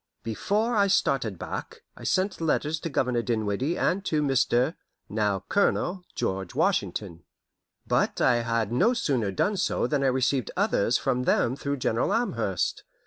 Before I started back, I sent letters to Governor Dinwiddie and to Mr. (now Colonel) George Washington, but I had no sooner done so than I received others from them through General Amherst.